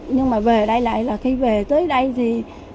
nhưng mà về đây lại là khi về tới đây thì